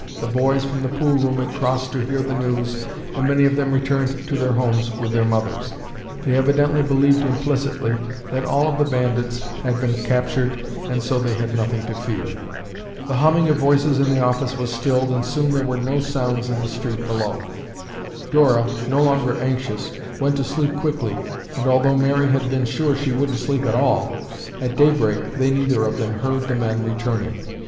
The boys from the pool room had crossed to hear the news and many of them returned to their homes with their mothers. They evidently believed implicitly that all of the bandits had been captured and so they had nothing to fear. The humming of voices in the office was stilled and soon there were no sounds in the street below. Dora, no longer anxious, went to sleep quickly and although Mary had been sure she wouldn't sleep at all, at daybreak they neither of them heard the men returning.